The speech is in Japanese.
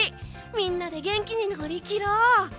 みんなで元気に乗り切ろう！